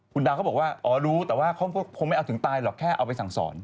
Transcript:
คุณดาวเขาบอกว่าอ๋อรู้แต่ว่าเขาคงไม่เอาถึงตายหรอกแค่เอาไปสั่งสอน